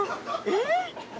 えっ？